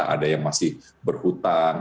ada yang masih berhutang